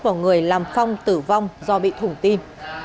vào người làm phong tử vong do bị thủng tim